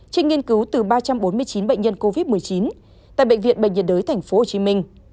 trên nghiên cứu từ ba trăm bốn mươi chín bệnh nhân covid một mươi chín tại bệnh viện bệnh nhiệt đới tp hcm